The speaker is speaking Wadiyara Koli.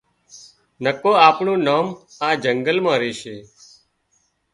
نڪو آپڻون نام آ جنگل مان ريشي